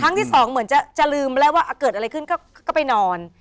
ที่สองเหมือนจะลืมแล้วว่าเกิดอะไรขึ้นก็ไปนอน